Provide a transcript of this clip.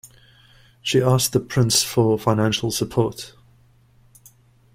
She asked the prince for financial support.